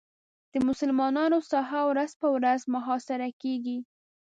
د مسلمانانو ساحه ورځ په ورځ محاصره کېږي.